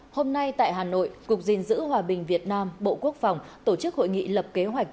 hôm nay tại hà nội cục gìn giữ hòa bình việt nam bộ quốc phòng tổ chức hội nghị lập kế hoạch